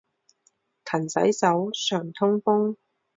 勤洗手，常通风。